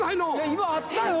今あったよ